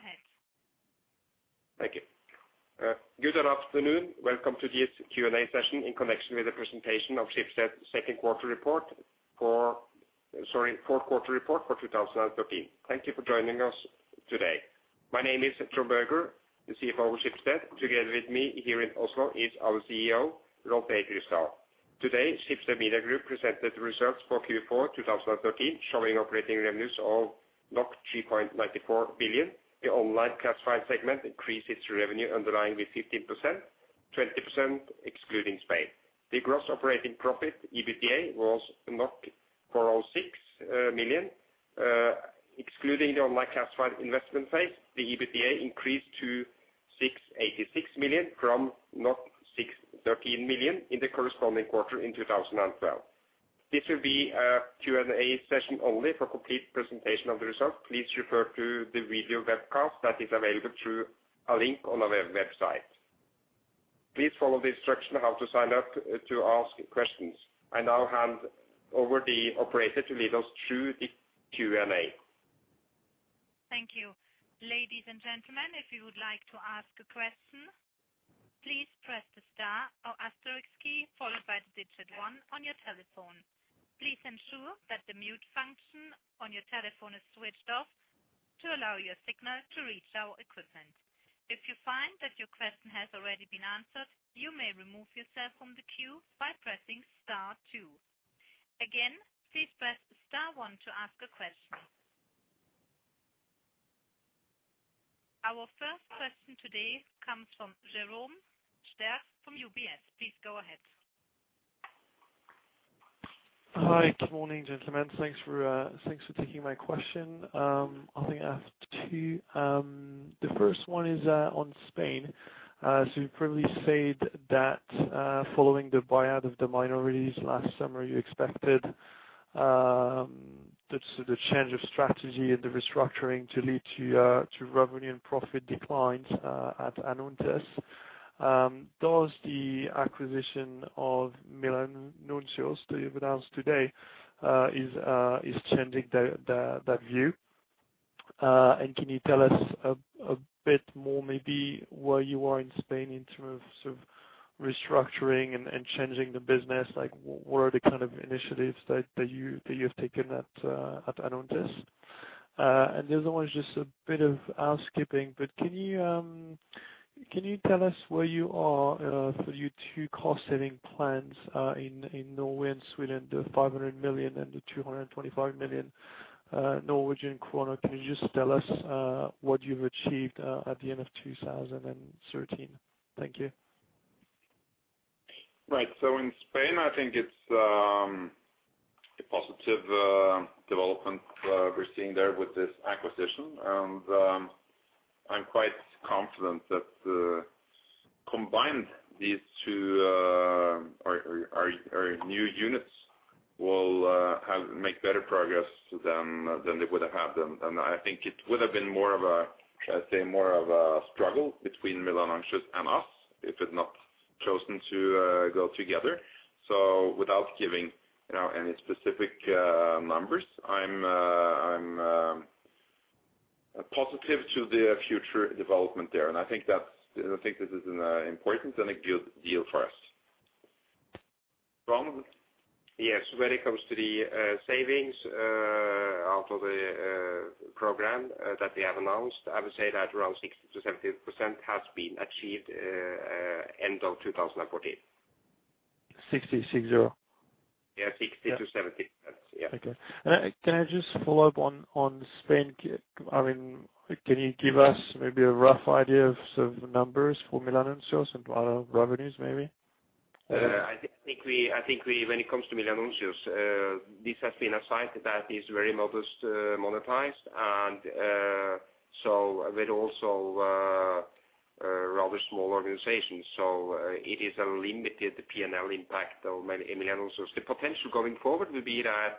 Please go ahead. Thank you. Good afternoon. Welcome to this Q&A session in connection with the presentation of Schibsted's second quarter report for-- Sorry, fourth quarter report for 2013. Thank you for joining us today. My name is Trond Berger, the CFO of Schibsted. Together with me here in Oslo is our CEO, Rolv Erik Ryssdal. Today, Schibsted Media Group presented the results for Q4 2013, showing operating revenues of 3.94 billion. The online classifieds segment increased its revenue underlying with 15%, 20% excluding Spain. The gross operating profit, EBITDA, was 406 million. Excluding the online classifieds investment phase, the EBITDA increased to 686 million from 613 million in the corresponding quarter in 2012. This will be a Q&A session only. For complete presentation of the results, please refer to the video webcast that is available through a link on our website. Please follow the instruction how to sign up to ask questions. I now hand over the operator to lead us through the Q&A. Thank you. Ladies and gentlemen, if you would like to ask a question, please press the star or asterisk key followed by the digit one on your telephone. Please ensure that the mute function on your telephone is switched off to allow your signal to reach our equipment. If you find that your question has already been answered, you may remove yourself from the queue by pressing star two. Again, please press star one to ask a question. Our first question today comes from Jerome Sterk from UBS. Please go ahead. Hi, good morning, gentlemen. Thanks for taking my question. I think I have two. The first one is on Spain. You probably said that, following the buyout of the minorities last summer, you expected the change of strategy and the restructuring to lead to revenue and profit declines at Anuntis. Does the acquisition of Milanuncios that you've announced today, is changing that view? Can you tell us a bit more maybe where you are in Spain in terms of restructuring and changing the business? Like what are the kind of initiatives that you have taken at Anuntis? The other one is just a bit of housekeeping, but can you tell us where you are for your two cost saving plans in Norway and Sweden, the 500 million and the 225 million Norwegian kroner? Can you just tell us what you've achieved at the end of 2013? Thank you. In Spain, I think it's a positive development we're seeing there with this acquisition. I'm quite confident that combined these two, our new units will make better progress than they would have had them. I think it would have been more of a, I'd say, more of a struggle between Milanuncios and us if we'd not chosen to go together. Without giving, you know, any specific numbers, I'm positive to the future development there. I think that's I think this is an important and a good deal for us. Trond? Yes. When it comes to the savings out of the program that we have announced, I would say that around 60%-70% has been achieved end of 2014. 60%? Yeah, 60%-70%. That's... Yeah. Okay. can I just follow up on Spain? I mean, can you give us maybe a rough idea of sort of numbers for Milanuncios and other revenues maybe? I think we When it comes to Milanuncios, this has been a site that is very modest, monetized, and so with also a rather small organization. It is a limited P&L impact of Milanuncios. The potential going forward will be that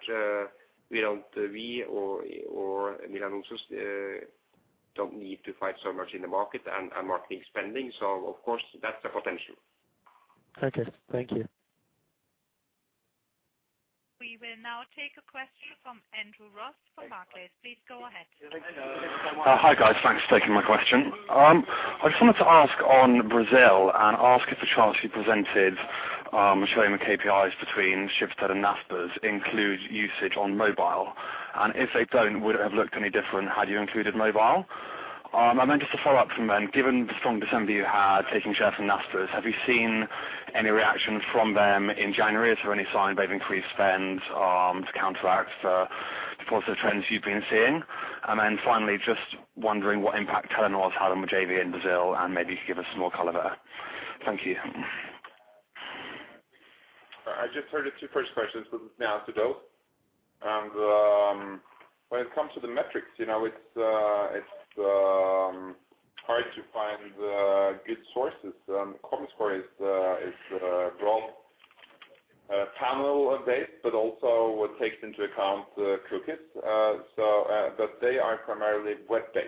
we or Milanuncios don't need to fight so much in the market and marketing spending. Of course, that's a potential. Okay. Thank you. We will now take a question from Andrew Ross from Barclays. Please go ahead. Hi, guys. Thanks for taking my question. I just wanted to ask on Brazil and ask if the charts you presented, showing the KPIs between Schibsted and Naspers include usage on mobile. If they don't, would it have looked any different had you included mobile? Just to follow up from then, given the strong December you had taking shares from Naspers, have you seen any reaction from them in January? Is there any sign they've increased spend to counteract the positive trends you've been seeing? Just wondering what impact Telenor has had on the JV in Brazil, and maybe you could give us some more color there. Thank you. I just heard the two first questions, but may I answer those. When it comes to the metrics, you know, it's hard to find good sources. Comscore is broad, panel-based, but also takes into account cookied. But they are primarily web-based,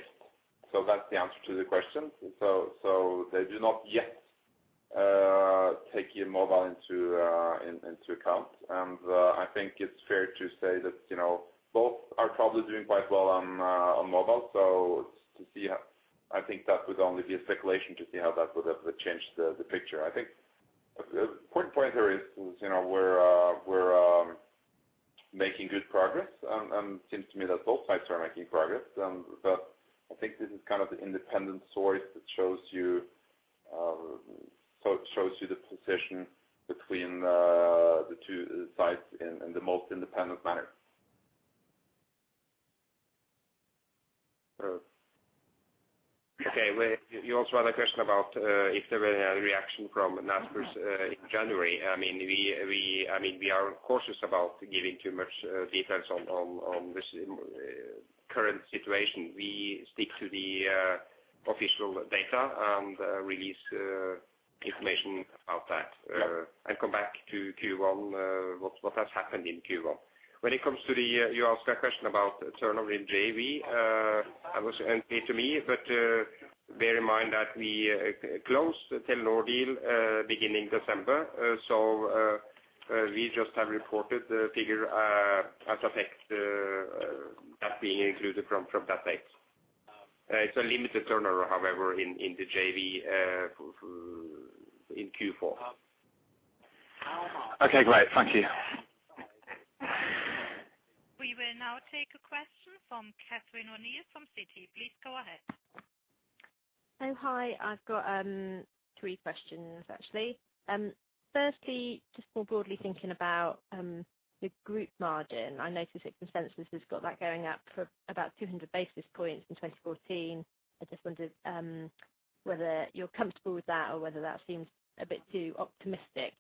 so that's the answer to the question. They do not yet. Taking mobile into account. I think it's fair to say that, you know, both are probably doing quite well on mobile. To see how, I think that would only be a speculation to see how that would have changed the picture. I think the important point here is, you know, we're making good progress. It seems to me that both sides are making progress. I think this is kind of the independent source that shows you, shows you the position between the two sides in the most independent manner. Wait, you also had a question about if there were any reaction from Naspers in January. We are cautious about giving too much details on this current situation. We stick to the official data and release information about that and come back to Q1 what has happened in Q1. When it comes to the, you asked a question about turnover in JV. That was indeed me, but bear in mind that we closed the Telenor deal beginning December. We just have reported the figure as of X that being included from that date. It's a limited turnover, however, in the JV in Q4. Okay, great. Thank you. We will now take a question from Catherine O'Neill from Citi. Please go ahead. Hi. I've got three questions, actually. Firstly, just more broadly thinking about the group margin. I notice that consensus has got that going up for about 200 basis points in 2014. I just wondered whether you're comfortable with that or whether that seems a bit too optimistic,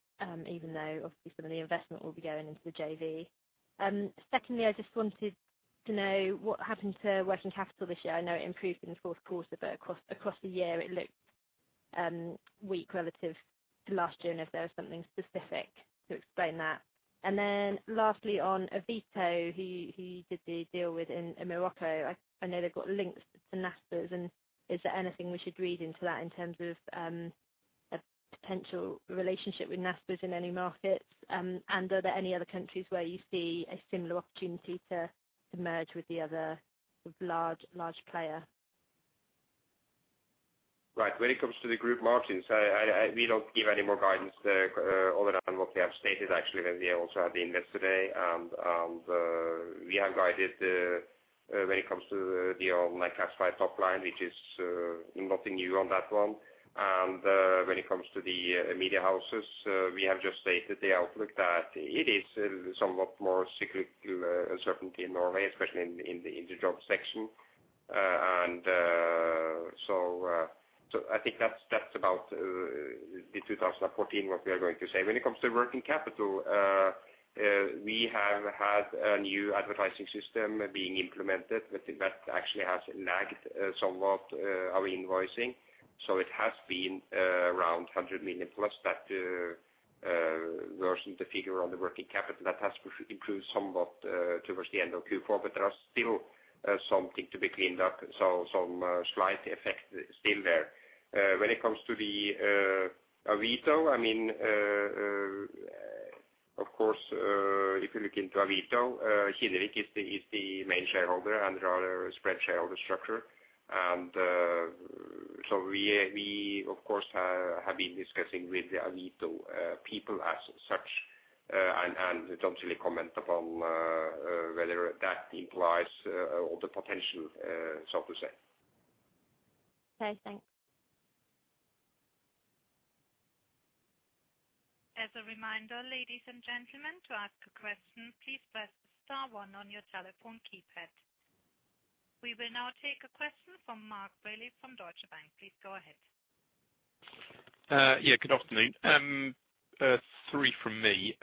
even though obviously some of the investment will be going into the JV. Secondly, I just wanted to know what happened to working capital this year. I know it improved in the fourth quarter, but across the year it looked weak relative to last year, and if there was something specific to explain that. Lastly, on Avito, who you did the deal with in Morocco, I know they've got links to Naspers. Is there anything we should read into that in terms of, a potential relationship with Naspers in any markets? Are there any other countries where you see a similar opportunity to merge with the other large player? Right. When it comes to the group margins, we don't give any more guidance, other than what we have stated, actually, when we also had the invest today. We have guided, when it comes to the online classified top line, which is nothing new on that one. When it comes to the media houses, we have just stated the outlook that it is somewhat more cyclical, uncertainty in Norway, especially in the, in the job section. I think that's about the 2014, what we are going to say. When it comes to working capital, we have had a new advertising system being implemented. I think that actually has lagged, somewhat, our invoicing. It has been around 100 million plus that worsened the figure on the working capital. That has improved somewhat towards the end of Q4, but there is still something to be cleaned up, so some slight effect still there. When it comes to Avito, I mean, of course, if you look into Avito, Henrik is the main shareholder and rather spread shareholder structure. We of course have been discussing with the Avito people as such, and don't really comment upon whether that implies all the potential, so to say. Okay, thanks. As a reminder, ladies and gentlemen, to ask a question, please press star one on your telephone keypad. We will now take a question from Mark Bailey from Deutsche Bank. Please go ahead. Yeah, good afternoon. Three from me.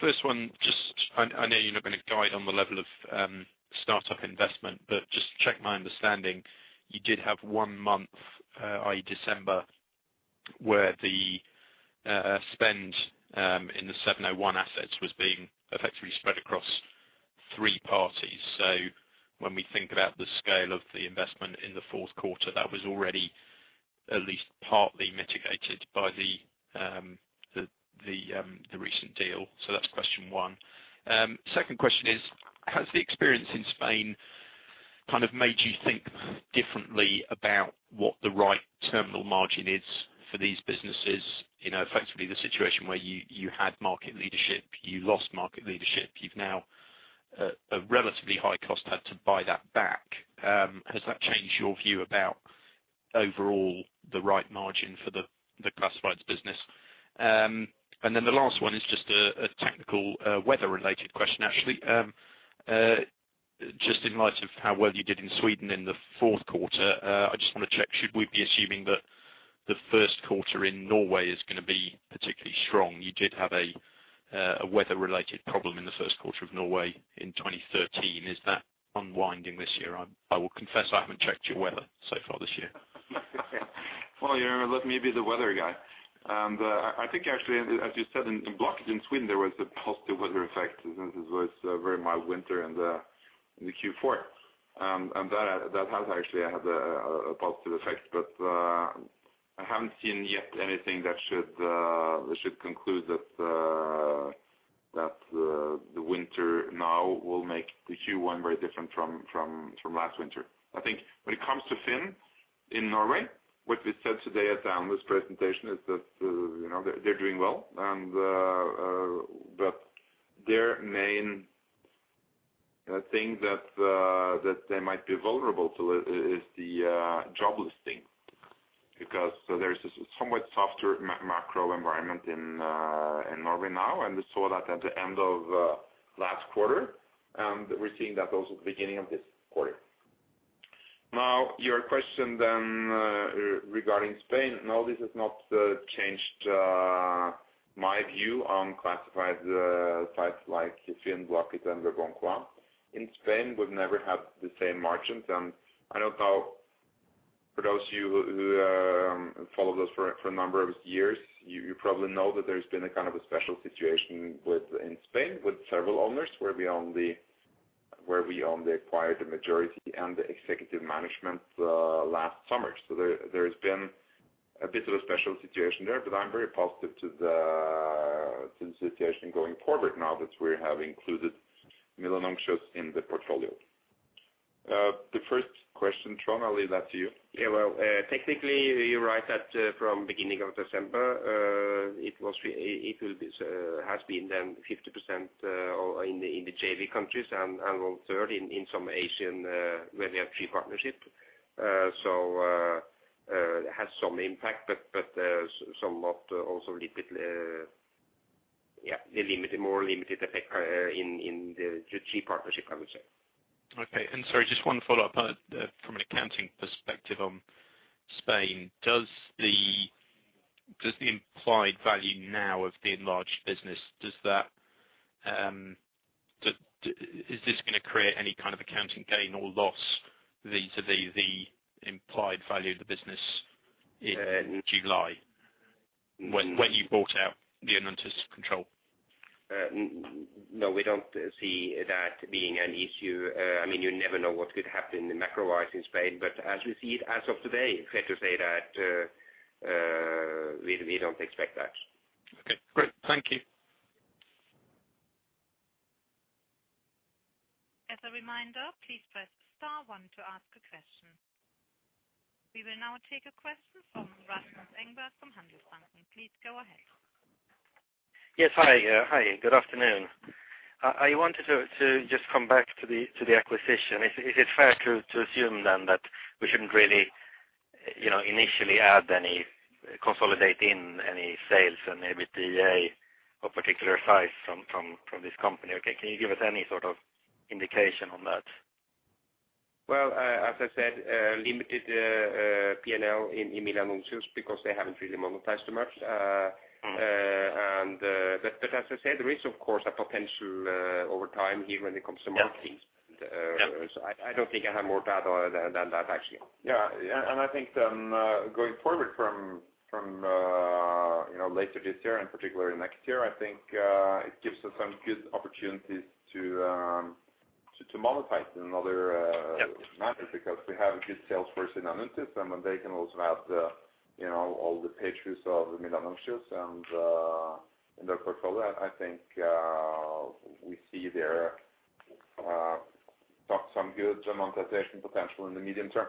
First one, just I know you're not going to guide on the level of startup investment, but just to check my understanding, you did have one month, i.e. December, where the spend in the 701Search assets was being effectively spread across three parties. When we think about the scale of the investment in the fourth quarter, that was already at least partly mitigated by the recent deal. That's question one. Second question is, has the experience in Spain kind of made you think differently about what the right terminal margin is for these businesses? You know, effectively the situation where you had market leadership, you lost market leadership. You've now at a relatively high cost had to buy that back. Has that changed your view about overall the right margin for the classifieds business? The last one is just a technical, weather related question, actually. Just in light of how well you did in Sweden in the fourth quarter, I just want to check, should we be assuming that the first quarter in Norway is going to be particularly strong? You did have a weather related problem in the first quarter of Norway in 2013. Is that unwinding this year? I will confess I haven't checked your weather so far this year. You let me be the weather guy. I think actually, as you said, in Blocket in Sweden, there was a positive weather effect. It was very mild winter in the Q4. That has actually had a positive effect. I haven't seen yet anything that should conclude that the winter now will make the Q1 very different from last winter. I think when it comes to FINN in Norway, what we said today at the analyst presentation is that, you know, they're doing well and, but their main thing that they might be vulnerable to is the job listing because there's this somewhat softer macro environment in Norway now, and we saw that at the end of last quarter, and we're seeing that also at the beginning of this quarter. Your question then, regarding Spain. No, this has not changed my view on classified sites like FINN, Blocket, and Leboncoin. In Spain, we've never had the same margins. I don't know for those of you who followed us for a number of years, you probably know that there's been a kind of a special situation in Spain with several owners, where we only acquired the majority and the executive management last summer. There has been a bit of a special situation there, but I'm very positive to the situation going forward now that we have included Milanuncios in the portfolio. The first question, Trond, I'll leave that to you. Yeah. Well, technically, you're right that, from beginning of December, it will be, has been then 50%, in the JV countries and, 1/3 in some Asian, where we have three partnership. It has some impact, but, some not also a little bit, yeah, a limited, more limited effect, in the JV partnership, I would say. Okay. Sorry, just one follow-up. From an accounting perspective on Spain, does the implied value now of the enlarged business, does that Is this gonna create any kind of accounting gain or loss vis-à-vis the implied value of the business in July when you bought out the Anuntis control? No, we don't see that being an issue. I mean, you never know what could happen in the macro environment in Spain. As we see it as of today, fair to say that we don't expect that. Okay. Great. Thank you. As a reminder, please press star one to ask a question. We will now take a question from Rasmus Engberg from Handelsbanken. Please go ahead. Yes. Hi. Hi, good afternoon. I wanted to just come back to the acquisition. Is it fair to assume then that we shouldn't really, you know, initially consolidate in any sales and EBITDA of particular size from this company? Okay, can you give us any sort of indication on that? Well, as I said, limited, P&L in Milanuncios because they haven't really monetized much. As I said, there is of course a potential over time here when it comes to marketing. Yeah. Yeah. I don't think I have more to add than that actually. Yeah. I think, going forward from, you know, later this year and particularly next year, I think, it gives us some good opportunities to monetize in other. Yeah. -manners because we have a good sales force in Anuntis, and then they can also add, you know, all the pages of Milanuncios and in their portfolio. I think we see there some good monetization potential in the medium term.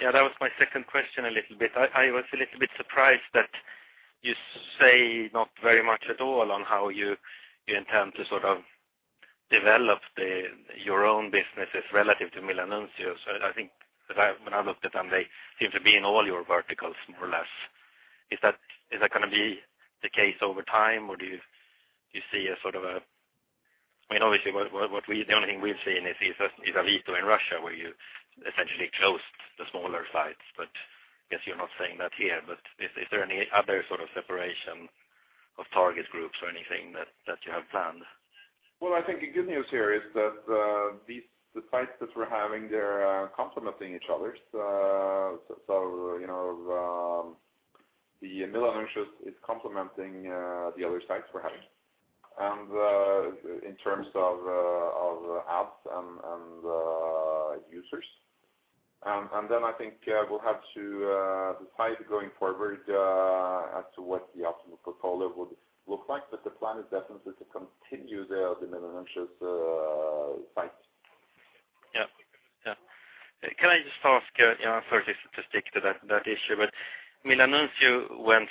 Yeah, that was my second question a little bit. I was a little bit surprised that you say not very much at all on how you intend to sort of develop your own businesses relative to Milanuncios. I think that when I looked at them, they seem to be in all your verticals more or less. Is that gonna be the case over time, or do you see a sort of a-- I mean, obviously, the only thing we've seen is Avito in Russia, where you essentially closed the smaller sites. I guess you're not saying that here. Is there any other sort of separation of target groups or anything that you have planned? I think the good news here is that the sites that we're having, they're complementing each other. You know, Milanuncios is complementing the other sites we're having. In terms of ads and users. I think we'll have to decide going forward as to what the optimal portfolio would look like. The plan is definitely to continue the Milanuncios site. Yeah. Yeah. Can I just ask, you know, sorry, just to stick to that issue. Milanuncios went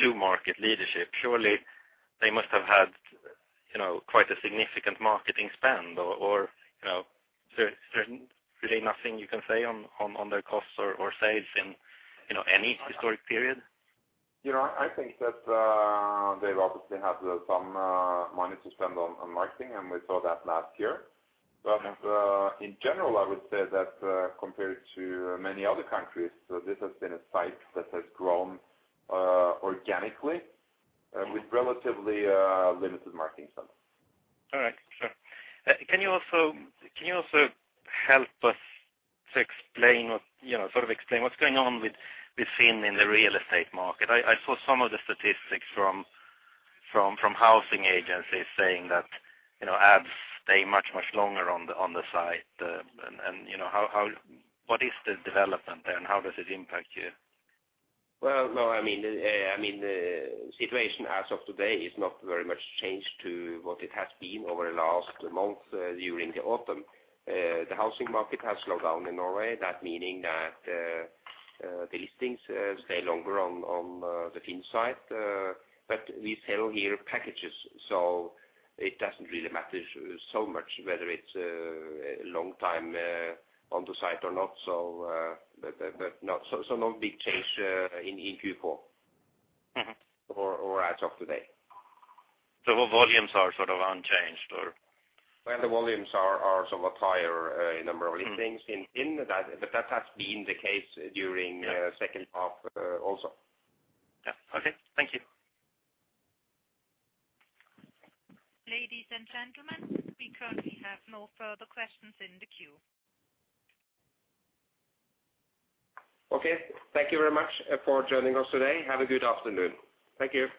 to market leadership. Surely they must have had, you know, quite a significant marketing spend or, you know, is there really nothing you can say on their costs or sales in, you know, any historic period? You know, I think that, they've obviously had, some, money to spend on marketing, and we saw that last year. Okay. In general, I would say that compared to many other countries, this has been a site that has grown organically with relatively limited marketing spend. All right. Sure. Can you also help us to explain or, you know, sort of explain what's going on with FINN in the real estate market? I saw some of the statistics from housing agencies saying that, you know, ads stay much longer on the site. You know, how, what is the development there, and how does it impact you? No, I mean, I mean, the situation as of today is not very much changed to what it has been over the last month, during the autumn. The housing market has slowed down in Norway, that meaning that the listings stay longer on the FINN site. But we sell here packages, so it doesn't really matter so much whether it's a long time on the site or not. But not-- So no big change in Q4. As of today. Volumes are sort of unchanged or? Well, the volumes are somewhat higher in number of listings in that- Yeah. ...second half, also. Yeah. Okay. Thank you. Ladies and gentlemen, we currently have no further questions in the queue. Okay. Thank you very much for joining us today. Have a good afternoon. Thank you.